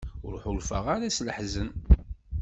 Ur ḥulfaɣ ara s leḥzen.